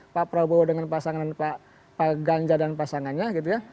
pak prabowo dengan pasangan pak ganja dan pasangannya gitu ya